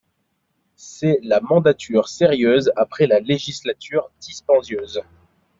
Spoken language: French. C’est la mandature sérieuse après la législature dispendieuse